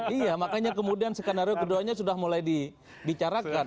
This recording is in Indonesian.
iya makanya kemudian skenario keduanya sudah mulai dibicarakan